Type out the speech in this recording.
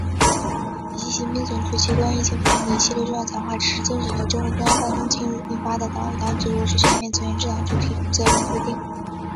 以及习近平总书记关于疫情防控的一系列重要讲话、指示精神和中共中央办公厅近日印发的《党委（党组）落实全面从严治党主体责任规定》